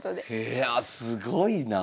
いやすごいな。